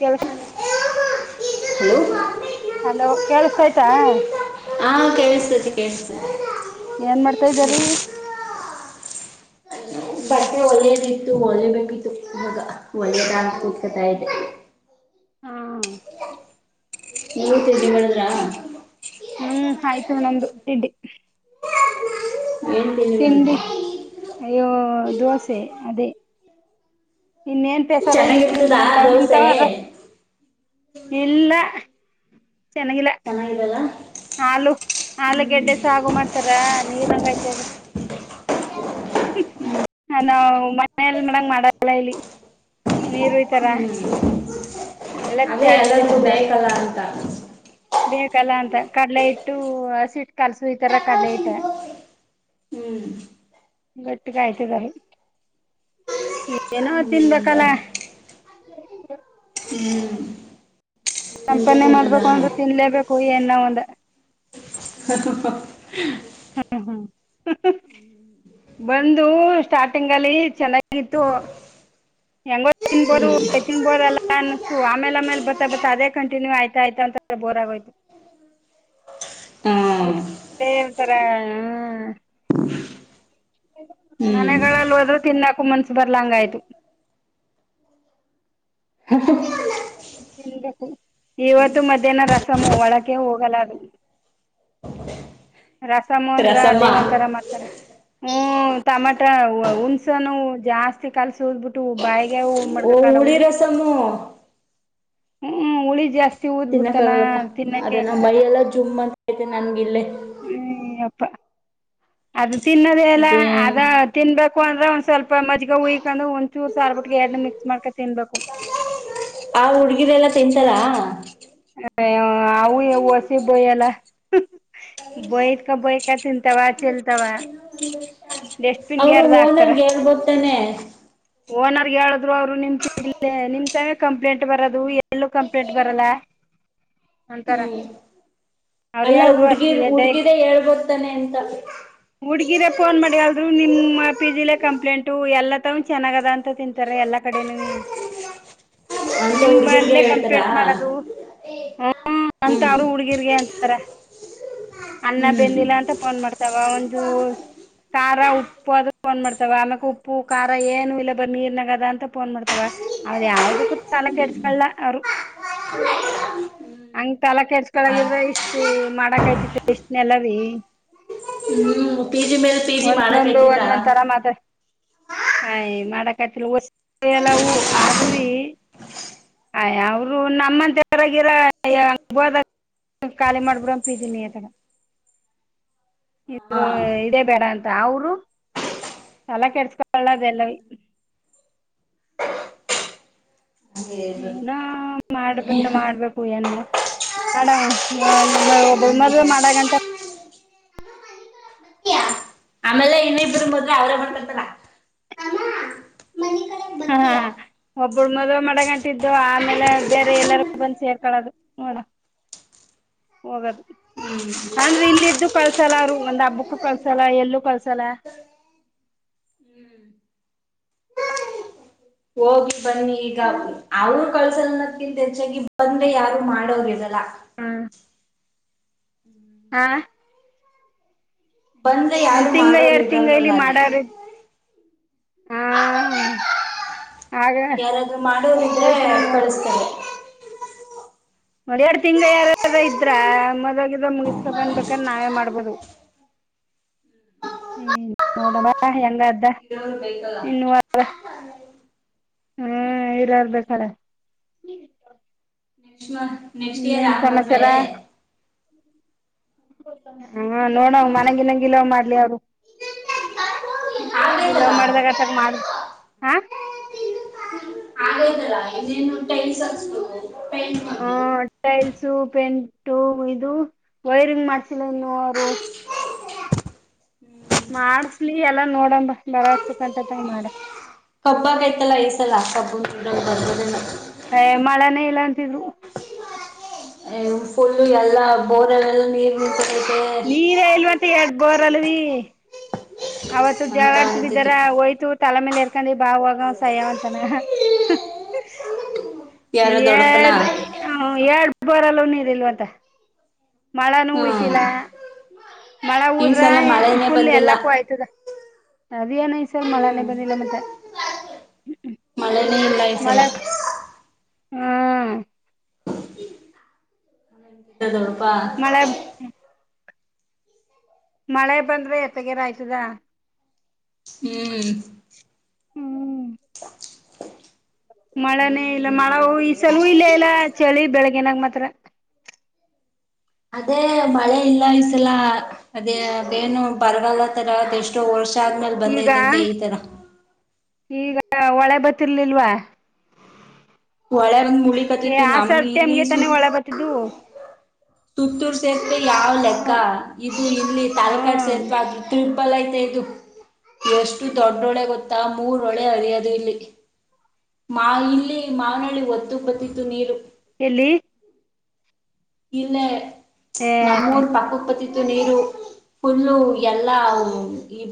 ಕೆಲಸ hello hello ಕೇಳಸ್ತ ಆಯ್ತಾ ಹಾ ಕೇಳಿಸತಿ ಕಳ್ಿಸ ಏನ್ ಮಾಡ್ತಾ ಇದ್ದರಿ ಬಟ್ಟೆ ಒಳ್ಳೇದ ಇತ್ತು ಒಳ್ಳೆ ಬೇಕಿತ್ತು ಮಗ ಒಳ್ಳೆದ ಆತು [inaudible] ಹಾ ಹ್ಮ್ ಮ ಹ್ಮ್ ಆಯ್ತು ನಂದು ಟಿಡ್ಡಿ ಏನ್ ತಿಂಡಿ ಮಾಡಿದ್ದೆ ಅಯ್ಯೋ ದೋಸೆ ಅದೇ ಇನ್ನೇನ್ ಪೇಸಾರ ಇಲ್ಲಿ ಚೆನ್ನಾಗಿರ್ತದಾ ನಮ್ ನಿಮ ದೋಸೆ ತಾವ ಇಲ್ಲ ಚೆನ್ನಂಗಿಲ್ಲ ಚೆನ್ನಾಗಿರಲ್ಲ ಹಾಲು ಹಲು ಹ್ಮ್ ಗೆಡ್ಡೆ ಸಾಗು ಮಾಡ್ತಾರ ನೀಲ್ ಹಂಗಯ್ತ ಅದ ನಾ ಮನೇಲ್ ಮಡಂಗ ಮಾಡಲ್ಲ ಇಲ್ಲಿ ನೀರುಯ್ತರ ಹ್ಮ್ ಅದೇ ಎಲ್ಲರಿಗೂ ಬೇಕಲ್ಲ ಅಂತ ಬೇಕಲ್ಲ ಅಂತ ಕಡಲೆ ಇಟ್ಟು ಹಸಿಟ್ ಕಲ್ಸು ಈತರ ಕಡಲೆ ಇಟ್ಟ ಹ್ಮ್ ಗಟ್ಟ ಕಾಯ್ತದಾರ ಏನೋ ಹಂಗೆ ಹ್ಮ್ ತಿನ್ಬೇಕಲ್ಲ ಅಂತ ಸಂಂಪನೆ ತಿನ್ನದ ಮಾಡ್ಬೇಕು ಹ್ಮ್ ಅಂದ್ರರು ತಿನ್ಲೇಬೇಕು ಏನ ಒಂದ ಹತ್ತುಪ್ಪ ಹಾ ಹಾ ಬಂದು ಸ್ಟಾರ್ಟಿಂಗ್ಲ್ಲಿ ಚೆನ್ನಾಗಿತ್ತು ಹೆಂಗೋ ತಿನ್ಬೋದು ತಿನ್ಬೋದಲ್ಲ ಅನ್ನಸ್ತು ಆಮೇಲೆ ಆಮೇಲೆ ಬತ್ತಾ ಬರ್ಾ ಅದೇ ಕಂಟಿನ್ಯೂ ಆಯ್ತಾ ಆಯ್ತ ಬೋರ್ ಆಗೋಯ್ತು ಹಾ ಊೇತರ ಹ್ಮ ಹ್ಮ್ ಮನೆಗಳಲ್ಲಿ ಹೋದ್ರೂ ತಿನ್ನಾಕ ಮನ್ಸ ಬರ್ಲಂಗ ಆಯ್ತು ಹ ಇವತ್ತು ಮಧ್ಯಾಹ್ನ ರಸಮ ಒಳಕೆ ಹೋಗಲ್ಲಾರ ರಾಸಾಮ ಅಂದ್ರ ರಸಮ್ಮ ದೇವಂತ ತರ ಮಾಡ್ತಾರ ಹ್ಮ ಟಮಾಟಾ ಹುಣ್ಸನು ಜಾಸ್ತಿ ಕಲ್ಸ ಹೋದ್ಬಿಟ್ಟು ಬಾಯ ಓ ಮಾಡಬೇಕ ಹುಳಿ ಹುಿ ರಸಮ್ಮು ಹ್ಮ ಹುಿ ಜಾಸ್ತಿ ಊದ್ ಬಿಡ್ತಾನ ತಿನ್ನಕ್ಕಾಗಲ್ಲಪ್ಪಾ ತಿನ್ನಕ್ಕೆ ಅದ ನಮ್ಮ ಆಗಲ್ಲ ಮೈಯ ಎಲ್ಲ ಜುಮ್ ಅಂತ ೈತೆ ನನ್ಗ ಇಲ್ಲೇ ಹ್ಮ ಅಪ್ಪ ಅದು ತಿನ್ನೋದೇ ಅಲ್ಲ ಅದೇ ಅದ ತಿನ್ಬೇಕು ಅಂದ್ರೆ ಒ ಸ್ವಲ್ಪ ಮಜ್ಗ ಉಯ್ಕೊಂಡ ಒಂದ್ಚೂರು ಸಾರ್ಬಿಟ್ ಎರ ಮಿಕ್ಸ್ ಮಾಡ್ಕ ತಿನ್ಬೇಕು ಆ ಹುಡ್ಗಿರೆಲ್ಲಾ ತಿಂತಲಾ ಅವು ವಸಿ ಬೋಯಲ್ಲ ಬಯತ್ಕ ಬಯ್ಕ ತಿಂತಾವ ಚೆಲ್ತಾವ ಡಸ್ಟ್ಬಿನ್ಗೆ ಅವರು ಯಾರ್ದ ಓನರ್ಗೆ ಹಗ್ ಬತಾನೆ ಓನರ್ ಹೇಳಿದ್ರು ಅವ್ರು ನಿಮ ಇ ನಿಮ್ ತ ಕಂಪ್ಲೇಂಟ್ ಬರದು ಎಲ್ಲೂ ಕಂಪ್ಲೇಂಟ್ ಬರಲ್ಲ ಅಂತರ ಅಲ್ಲಾ ಹುಡ್ಗಿ ಹುಡ್ಗಿರೇ ಹೇಳ್ಬೋದತಾನೆ ಅಂತ ಹುಡ್ಗಿರ ಫೋನ್ ಮಾಡಿ ಅಲ್ರು ನಿಮ್ಮ್ ಪಿ ಜಿಲೆೇ ಕಂಪ್ಲೇಂಟು ಎಲ್ಲ ತಗ ಚೆನ್ನಾಗದ ಅಂತ ತಿಂತಾರೆ ಎಲ್ಲಾ ಕಡೆನೂ ಅಂತ ನಿಮ ಹುಡ್ಗಿರ್ಗೆ ಮಲ್ಲೇ ಹೇಳ್ತಾರಾ ಕಂಪ್ಲೇಂಟ್ ಮಾಡದು ಹ್ಮ ಹ್ಮ್ ಅಂತಾರು ಹುಡ್ಗಿರ್ಗೆ ಅಂತಾರ ಅನ್ನ ಹ್ಮ್ ಹ್ಮ್ ಬೆಂದಿಲ್ಲ ಅಂತ ಫೋನ್ ಮಾಡ್ತಾವ ಒಂದು ಖಾರ ಉಪ್ಪು ಅ ಫೋನ್ ಮಾಡ್ತಾವ ಆಮಕ್ ಉಪ್ಪ ಖಾರ ಏನು ಇಲ್ಲ ಬರ ನೀರ್ನಾಗಗದ ಅಂತಫೋನ್ ಮಾಡ್ತ ಅಥವಾ ಅವ್ದ್ ಯಾವ್ದಕ್ಕೂ ಚಲ ಕೆಡ್ಸ್ಕಲ್ಲ ಅವರು ಹಂಗ ತಲ ಕೆಡ್ಸ್ಕೊಳಗಿದ್ರ ಇಷ್ಟ ಮಾಡಕ್ಯ್ತಿತಿ ಇಷ್ಟನೆೆಲ ಭೀ ಹ್ಮ್ ಪಿಜಿ ಮೇಲ್ ಪಿ ಜಿ ಒಂದೊಂದು ಮಾಡಕ್ತಿತ್ತ ಒಂದೊಂದ್ ತರ ಮಾತಾಡ್ ಆಯ್ ಮಾಡಕತಿ ಎಲ್ಲ ಹೂ ಆದ್ರೀ ಹಾ ಅವರು ನಮ್ಮಂತೆವರಾಗಿರ ಹಬೋದ ಖಾಲಿ ಮಾಡ್ಬಿಡ್ ಅಪ ಇದೀನಿ ಆತಡ ಹಾ ಇದರು ಇದೇ ಬೇಡ ಅಂತ ಅವರು ಸಲ ಕೆಡ್ಸ್ಕೊಳ್ಳದೆಲ್ಲ ಹಂಗೆ ಇರ್ಬೇಕು ಏನ ಮಾಡಬೇಕ ಮಾಡ್ಬೇಕು ಏನ್ಮಡ ಮಾಡಡ್ ಒಬ್ಬಳ ಮ ಮಾಡಗಂತ ಆಮೇಲೆ ಇನ್ನಿಬ್ರು ಮದ್ವೆ ಅವ್ರೇ ಮಾಡ್ಕೊಂತಾರ ಮತ್ತಿಯ ಒಬ್ಬಳ ಮೊದ್ಲು ಮಡಗಂಟಿದ್ದು ಆಮೇಲೆ ಬೇರೆ ಎಲ್ಲಾರ ಬಂದ ಸೇರ್ಕಳದು ನೋಡ ಹೋಗದು ಹ್ಮ್ ಅಂದ್ರೆ ಇಲ್ಲ ಇದ್ದು ಕಲ್ಸಲ್ಲ ಅವರು ಒಂದ್ ಹಬ್ಬಕ್ಕೂ ಕಲ್ಸಲ್ಲ ಎಲ್ಲೂ ಕಲ್ಸಲ್ಲ ಹ್ಮ್ ಹೋಗಿ ಬನ್ನಿ ಈಗಿ ಅವರು ಕಳ್ಸಲ್ನ ಹೆಚ್ಚಾಗಿ ಬಂದೆ ಯಾರು ಮಾಡೋರು ಇರಲ್ಲ ಹ್ಮ್ ಹ್ಮ್ ಹಾ ಬಂದ್ರೆ ಒಂದ್ ಯಾರು ತಿಂಗ ಮಾಡೋರು ಎರಡ್ ತಿಂಗ ಇರಲ್ವಲ್ಲ ಇಲ್ಲಿ ಅಲ್ಲಿ ಮಾಡಾರ ಹಾ ಆಗ ಯಾರಾದ್ೂ ಮಾಡೋ ನಿಂದ್ರೆ ಹೋಯ್ತೀನಿ ನೋಡ್ ಕಳಸ್ತಾರೆ ಒಂದ ಎರಡು ತಿಂಗ್ ಯಾರಾರ ಇದ್ರ ಮೊದಗಿದ ಮುಗಿಸಕ ಬಂದಬೇಕಂದ ನಾವೇ ಮಾಡ್ಬೋದು ಹ್ಮ್ ಮೋಡಬಾ ಎಲ್ಲ ಅ್ದ ಇರರು ಬೈಕಲ್ಲ ಹ್ಮ್ ಇರರ್ಬೇಕಾರೆ ನೆಕ್ಸ್ಟ್ ಮಂತ್ ನೆಕ್ಸ್ಟ್ ಇಯರ್ ಆನ್ ಹದ್ವೆ ಹಾ ನೋಡವ ಮನಂಗಿನಂಗ ಇಲವ್ ಮಾಡ್ಲಿ ಅವ್ರು ಗಲ ಆಗೈತಲ್ಲ ಮಾಡ್ದಾಗ ಅಥಕ್ ಮಾಡ ಹಾ ಆಗೋದಲ್ಲ ಇನ್ನೇನು ಟೈನ್ಸ್ು ಟೈಸ್ ಬಂದು ಶೂ ಪೆಂಟು ಇದು ವೈರಿಂಗ್ ಮಾಡ್ಸಿಲ್ಲನ್ನು ಅವರು ಮಾಡಸ್ಲಿ ಎಲ್ಲಾ ನೋಡಂಬ ಬರತಕ್ಂಟ ತಂಗ ಮಾಡ ಕಬ್ಬ ಆಗೈತಲ್ಲ ಈಸಲಾ ಕಬ್ಬ ಬರ್ದ ಹೇ ಮಳನೇ ಇಲ್ಲ ಅಂತಿದ್ರು. ಹೇ ಫುಲ್ಲು ಎಲ್ಲಾ ಬೋರ್ಲ್ಲೆಲ್ಲ ನೀರ್ ನಿಂತ್ಕೊಂಡ. ನೀರೆ ಇಲ್ವಂತ ಎಡ್ ಬೋರ್ ಅಲ್ವಿ. ಅವತ್ತು ಅಂತ ಜಾಳತ ಬಿ ತರ ಅಂತಿತ್ತು ಹೋಯಿತು. ತಲೆಮಲೆರ್ಕಾಂಡಿ ಬಾ ಹೋಗ ಅವ ಸಯವಂತಾನ. ಯಾರೋ ದೊಡ್ಡಪ್ಪನ ಹೇಳ್ರಿ ಹು ಎರಡ್ ಬೋರ್ ಆಲೂ ನೀರ ಇಲ್ಲ್ವಂತೆ. ಮಳೆನೂ ಹ್ಮ್ ಹೋಯಿತಿಲ್ಲ. ಮಳೆ ಈ ಹೂದ್ರ ಸಲ ಮಳೆನೇ ಫುಲ್ ಬಂದಿಲ್ಲ ಎಲ್ಲಕ್ಕೂ ಆಯ್ತದ. ಅದೇ ಏನು ಈ ಸಲ್ ಮಳೆನೇ ಹ್ಮ್ ಬಂದಿಲ್ಲ ಮತ್ತೆ ಹ್ಮ್. ಮಳೆನೇ ಇಲ್ಲ ಈ ಸಲ. ಹಾ. [unintelligible] ಮಳೆ ಮಳೆ ಬಂದ್ರೆ ಎತ್ತಗಿರ ಆಯ್ತದ. ಹ್ಮ್. ಹ್ಮ್. ಮಳನೇ ಮಳೆನೇ ಇಲ್ಲ ಮಳೆ ಅಂದ್ರೆ ಉ ಈ ಕಷ್ಟ. ಸಲ ಉ ಇಲ್ಲೆ ಇಲ್ಲ ಚಳಿ ಬೆಳೆಗ್ಗನಾಗ ಮಾತ್ರ. ಅದೇ ಮಳೆ ಇಲ್ಲ ಈಸಲ ಅದೇ ಬೇನು ಪರಗಲ್ಲ. ಆತರ ಅದೆಷ್ಟೋ ವರ್ಷ ಆದ್ಮೇಲೆ ಈಗ ಬಂದೈತಂತೆ ಈತರ. ಈಗ ಹೊಳೆ ಬರ್ತಿರ್ಲಿಲ್ವಾ. ಹೊಳೆ ಬಂದ್ ಏ ಮುಳಿಕತ್ತಿತ್ತು ಆ ನಮ್ ಸರ್ತಿ ಇಲ್ಲಿ ಅಮ್ಗೆ ತಾನೆ ಹೊಳೆ ಬರ್ತಿದ್ದು. ತುತ್ತೂರ್ ಸೇತುವೆ ಯಾವ್ ಲೆಕ್ಕ ಇದು ಇಲ್ಲಿ ತಲಕಾಡು ಹ್ಮ್ ಸೇಪ [unintelligible] ಬಲ ಐತೆ ಇದು ಎಷ್ಟು ದೊಡ್ಡೊಳೆ ಗೊತ್ತಾ ಮೂರ ಹೊಳೆ ಹರಿಯೋದು ಇಲ್ಲಿ. ಮಾ ಇಲ್ಲಿ ಮಾವನಳ್ಳಿ ಒತ್ತು ಬತ್ತಿತ್ತು ನೀರು. ಇಲ್ಲಿ. ಇಲ್ಲೇ ಏ ನಮ್ಮೂರ್ ಪಕ್ಕಕ್ ಬತ್ತಿತ್ತ. ತು ನೀರು ಫುಲು ಎಲ್ಲಾ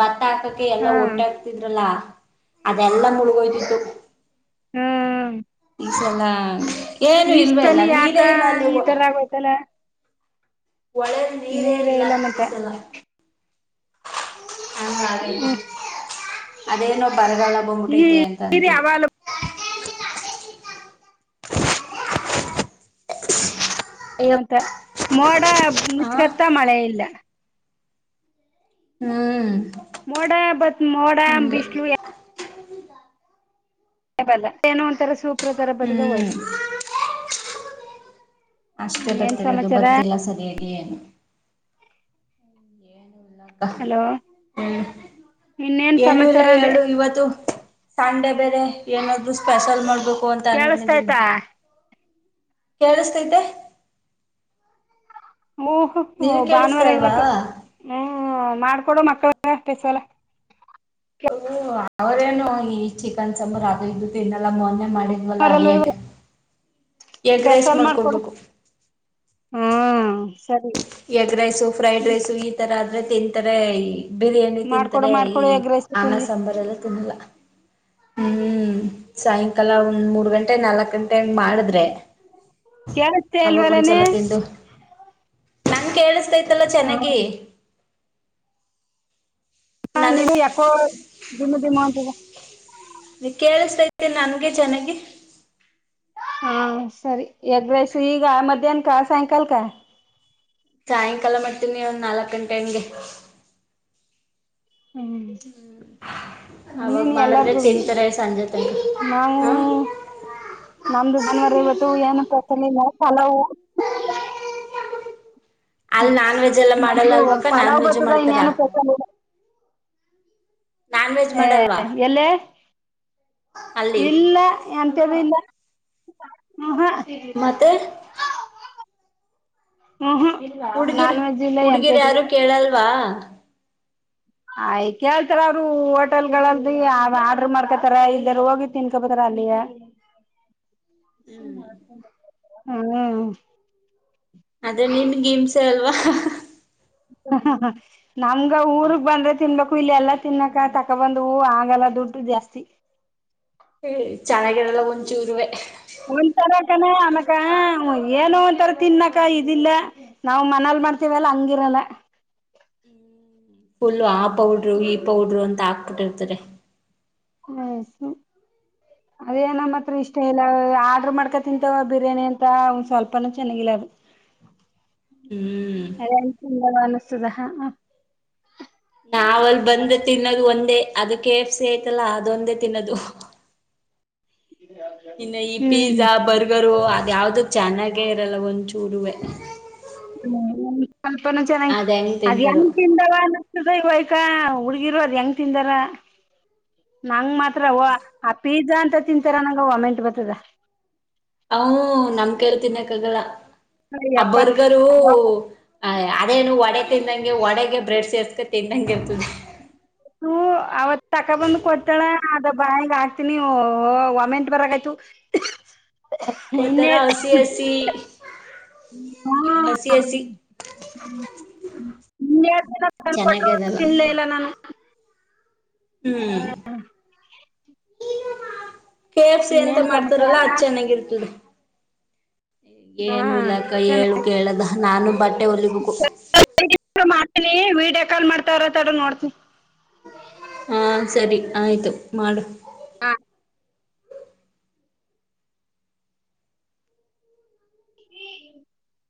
ಭತ್ತ ಹಾಕಕ್ಕೆ ಎಲ್ಲಾ ಹ್ಮ್ ಒಟ್ಟೆ ಹಕ್ತಿದ್ರಲ್ಲಾ ಅದೆಲ್ಲಾ ಮುಳುಗೋಯ್ತಿತ್ತು. ಹ್ಮ್ಹ್ಮ್ಮ್. ಎಲ್ಲ ಏನು ಇಲ್ವೇ ಇಲ್ಲ ಸಲಿ ಯಾಕ ನೀರೇ ಇಲ್ಲ ಅಲ್ಲಿ. ಈ ತರ ಆಗೋಯ್ತಲ್ಲ ನೀರೇ ಇಲ್ಲ ಮತ್ತೆ. ಹಂಗ ಅಗೆತಿ ಹ್ಮ್ ಅದ ಏನೋ. ಪರಗಲ್ಲ ಈ ಬೋಗ್ಬಿಟ್ಟೈತೆ ಅಂತ ನೀರ್ ಅಂತರು. ಯಾವಾಗಲ [unintelligible] ಹು ಮತ್ತ ಮೋಡ ಆ ಮುಚ್ಕತ್ತ ಮಳೆ ಇಲ್ಲ. ಹ್ಮ. ಮೋಡಾ ಬತ್ ಮೋಡಾ ಬಿಸಲು ಯ. [unintelligible] ಏನೋ ಒಂಥರ ಸೂಪ್ರ ತರ ಬರದ ಹ್ಮ್ ಹೋಯ್ತಾದ. ಅಷ್ಟೇ ಬರ್ತಿರ ಅದು ಬರ್ದಿಲ್ಲ ಸರಿಯಾಗಿ. ಅ ಹಲೋ ಹ್ಮ. ಇನ್ನೇನ್ ಏನುೂ ಇಲ್ಲ ಸಮಾಚಾರ ಅಂದೆ ಹೇಳು ಇವತ್ತು ಸಂಡೆ. ಬೇರೆ ಏನಾದ್ರು ಸ್ಪೆಷಲ್ ಮಾಡ್ಬೇಕು ಅಂತ ಅನ್ಕೊಂಡಿದ್ದೀನಿ. ಕೇಳಸ್ತಾಯ್ತಾ ಕೇಳಿಸ್ತೈತೆ. ಹ ನೀನ್ ಕೇಳಿಸ್ತಾ ಭಾನುವಾರ ಅಲ್ವಾ ಇವತ್ತು ಹ್ಮ್ ಮಾಡ್ಕೊಡೋ ಮತ್ತ. [unintelligible] ಸ್ಪೆಷಲ್. ಹ ಅವರೇನು ಈ ಚಿಕನ್ ಸಾಂಬಾರು ಅದು ಇದು ತಿನ್ನಲ್ಲ ಮೊನ್ನೆ. ಮಾಡಿದ್ವಲ್ಲಾ ಅವರಲ್ಲ ಎಗ್. ಎಗ್ ರೈಸ್ ಸ್ಪೆಷಲ್ ಮಾಡಿಕೊಡು ಮಾಡ್ಕೊಡ್ಬೇಕು ಹ್ಮ್. ಸರಿ ಎಗ್ ರೈಸು ಫ್ರೈಡ್ ರೈಸು ಈ ತರ ಆದ್ರೆ ತಿಂತಾರೆ ಬಿರಿಯಾನಿ ಮಾಡ್ಕೊಡು ತಿಂತಾರೆ ಮಾಡ್ಕೊಡು ಈ. ಎಗ್ ರೈಸ್ ಅಣ್ಣ ತಿನ್ಲಿ ಸಾಂಬಾರ್ ಎಲ್ಲಾ ತಿಂದಿಲ್ಲಾ ಹ್ಮ್ ಸಾಯಂಕಾಲ ಒಂದ್ ಮೂರ್ ಗಂಟೆ ನಾಲ್ಕ್ ಗಂಟೆ ಹಂಗ ಮಾಡಿದ್ರೆ ಕೇಳಿಸ್ತಾ ಅವಾಗ ಇಲ್ವಲ್ಲನೆ ಒಂದ್ಸಲ ತಿಂದು ನನಗ ಕೇಳಿಸತೈತಲ್ಲ ಚೆನ್ನಾಗಿ ಹಾ ಹಾ ನನಗ್ ನೀವು ಯಾಕೋ ದಮ ದಮ ಅಂತದ ನೀ ಕೇಳಿಸಸ್ತೈತಿ ನನ್ಗೆ ಚೆನ್ನಾಗಿ ಹಾಂ ಸರಿ ಎಗ್ ರೈಸ್ ಈಗ ಮಧ್ಯಾಹ್ನಕ ಸಾಯಂಕಾಲಕ ಸಾಯಂಕಾಲ ಮಾಡ್ತೀನಿ ಒಂದ್ ನಾಲ್ಕ್ ಗಂಟೆ ಹಂಗೆ ಹ್ಮ್ ಅವಾಗ ಇನ್ನೇನು ಮಾಡಿದ್ರೆ ಎಲ್ಲಾರ್ಗೂ ಬಿ ತಿಂತಾರೆ ಸಂಜೆ ತನಕ ನಾವು ಹ ನಮ್ದು ಬಾನುವಾರ ಇವತ್ತು ಏನು ಪ್ರಥನಿಲ್ಲ ಪಲಾವು ಅಲ್ ನಾನ್ ವೆಜ್ ಎಲ್ಲಾ ಮಾಡಲ್ಲ ನಮ್ದು ಅಲ್ವ ನಾನ್ ಪಲಾವ್ ವೆಜ್ ಬರ್ತದ ಮಾಡ್ತಾರಾ ಇನ್ನೇನು ಸ್ಪೆಷಲ್ ಇಲ್ಲ ಹ ಎಲ್ಲೇ ಅಲ್ಲಿ ಇಲ್ಲಾ ಎಂತದುಇಲಾ ಹ ಹ ಮತ್ತೆ ಹ ಹ ಇ ಹುಡ್ಗಿರ್ ನಾನ್ ವೆಜ್ ಇಲ್ಲ ಹುಡ್ಗಿರ್ ಎಂತದು ಯಾರು ಇಲಾ ಕೇಳಲ್ವಾ ಆಯ್ತ್ ಕೇಳ್ತಾರ ಅವರು ಹೋಟೆಲ್ ಲ್ ಆಡ್ರರ್ ಮಾಡ್ಕೊತಾರ ಇಲ್ದಾರ ಹೋಗಿ ತಿನ್ಕೋ ಬರ್ತಾರ ಹ್ಮ್ [unintelligible] ಹ್ಮ ಅದೇ ನಿನ್ಗೆ ಹಿಂಸೆ ಅಲ್ವಾ ನಮ್ಗ ಊರ್ಗ್ ಬಂದ್ರೆ ತಿನ್ಬೇಕು ಇಲ್ಲ ಎಲ್ಲಾ ತಿನ್ನಕ ತಕೊಬಂದ್ ಹೂ ಆಗಲ್ಲದು ದುಡ್ಡು ಜಾಸ್ತಿ ಹ್ಮ ಚೆನ್ನಾಗಿರಲ್ಲ ಒಂಚೂರ್ರುವೆ ಒರಕನ ಅನಕ ಏನು ಒಂಥರ ತಿನ್ಕ ಇದಿಲ್ಲ ನಾವ್ ಮನಲ್ ಮಾಡ್ತವಲ್ಲ ಹಂಗಿರಲ್ಲ ಹ್ಮ್ ಫುಲ್ಲ ಆ ಪೌಡ್ರು ಈ ಪೌಡ್ರು ಅಂತ ಹಾಕ್ಬಿಟ್ಟಿರ್ತಾರೆ [unintelligible] ಅದೇ ನಮ್ಮ ಹತ್ರ ಇಷ್ಟ ಇಲ್ಲ ಆಡ್ರರ್ ಮಾಡ್ಕೊ ತಿಂತವ ಬಿರಿಯಾನಿ ಅಂತ ಒಂದ್ ಸ್ವಲ್ಪನೂ ಚೆನ್ನಾಗಿಲ್ಲ [unintelligible] ಹ್ಮ್ ಎಲ್ಲನ್ ತುಂಬ ಅನಸ್ತದ ನಾವ ಅಲ್ಲಿ ಬಂದ ತಿನ್ನೋದು ಒಂದೇ ಅದಕ್ಕೆ ಎಫ್ ಸಿ ಐ್ತಲ್ಲ ಅದೊಂದೇ ತಿನ್ನೋದು ಇನ್ನು ಈ ಹ್ಮ್ ಪಿಜಾ ಬರ್ಗರು ಅ ಯಾವ್ದು ಚೆನ್ನಾಗೇ ಇರಲ್ಲ ಒಂದುಚೂರುವೆೆ ಹ್ಮ ಸ್ವಲ್ಪ ನೂ ಚೆನ್ನಾಗಿ ಹೆಂಗ್ ಅದ ಹೆಂಗ ತಿಂತಾರೋ ತಿಂತಾವ ಇವಯ್ಕ ಹುಡಗಿರೋದ್ ಹೆಂಗ್ ತಿಂದಾರ ನಂಗ ಮಾತ್ ಆ ಪಿಜಾ ಅಂತ ತಿಂತಾರೆ ನಂಗ ಅ ವಾಮೆಂಟ್ ಬರ್ತದ ಹ್ ನಮ್ ಕೈಲೇ ತಿನ್ನಾಕ್ಕ ಆಗಲ್ ಆ ಯಪ್ಪ ಬರ್ಗರ ಆ ಅದೇನು ಒಡೆಗೆ ತಿಂದಂಗೆ ಒಡೆಗೆ ಬ್ರೆಡ್ ಸೇರ್ಸ್ಕ ತಿನ್ನಂಗೆ ಇರ್ತದೆ [unintelligible] ಅವತ್ ತಕ ಬಂದ್ ಕೊಡ್ತಾಳ ಅದ ಬಾಯಗ ಆಕ್ತನಿ ವಾಮೆಂಟ್ ಬರಗ ಆಯ್ತು [inaudible] ಒಂತರಾ ಹಸಿ ಹಸಿ ಹಸಿ ಹಸಿ ನಿನ್ ಜನ ತನ್ಪೊಂಡರು ಚೆನ್ನಾಗಿರಲ್ಲ ತಿನ್ಲೇ ಇಲ್ಲ ನಾನು ಹ್ಮ್ ಕೆ ಎಫ್ ಸಿ ಅಂತ ಇನ್ನೇನ್ ಸಮಾಚಾರ ಮಾಡ್ತಾರಲ್ಲ ಅದು ಚೆನ್ನಾಗಿರ್ತದೆ ಹಾ ಏನು ಇಲಕ್ಕ ಹೇಳಏನ್ ಕೇಳದ ನಾನೂ ಬಟ್ಟೆ ಹೊಲಿಬೇಕು ಮಾಡ್ತನಿ ವೀಡಿಯೋ ಕಾಲ್ ಮಾಡ್ತಾರಥ ನೋಡ್ತನಿ ಹಾ ಸರಿ ಆಯ್ತು ಮಾಡು ಹಾ ಹ [unintelligible]